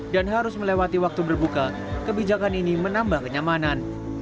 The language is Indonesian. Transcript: dan harus melewati waktu berbuka kebijakan ini menambah kenyamanan